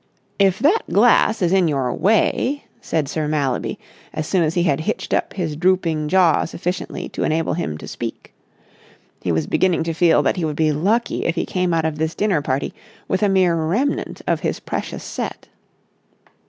"If that glass is in your way...." said Sir Mallaby as soon as he had hitched up his drooping jaw sufficiently to enable him to speak. He was beginning to feel that he would be lucky if he came out of this dinner party with a mere remnant of his precious set.